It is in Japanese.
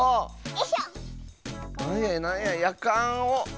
なんやなんややかんを。